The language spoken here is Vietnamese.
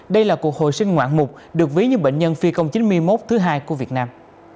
đây là cuộc hồi sinh ngoạn mục được ví như bệnh nhân phi công chín mươi một thứ hai của việt nam